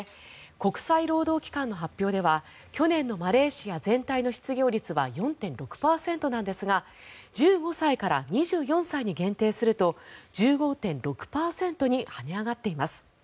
国際労働機関の発表では去年のマレーシア全体の失業率は４．６％なんですが１５歳から２４歳に限定すると１５．６％に跳ね上がっています。